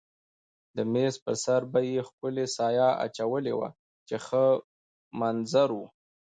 د مېز پر سر به یې ښکلې سایه اچولې وه چې ښه منظر و.